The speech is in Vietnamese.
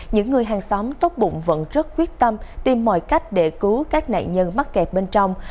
những người hàng xóm tốc bụng vẫn rất quyết tâm tìm mọi cách để cứu các nạn nhân mắc kẹt bên trong